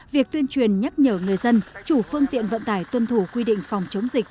việc tuyên truyền nhắc nhở người dân chủ phương tiện vận tải tuân thủ quy định phòng chống dịch